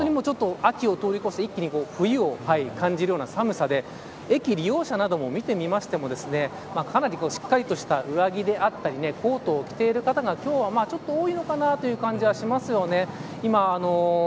本当に、秋を通り越して一気に冬を感じるような寒さで駅の利用者などを見てみてもかなり、しっかりとした上着であったりコートを着ている方が今日はちょっと多いのかなという感じはしますよね。